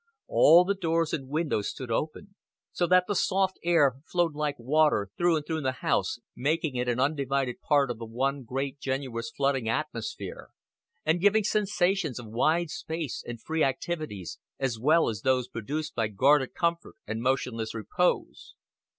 All the doors and windows stood open, so that the soft air flowed like water through and through the house, making it an undivided part of the one great generous flooding atmosphere, and giving sensations of vast space and free activities as well as those produced by guarded comfort and motionless repose.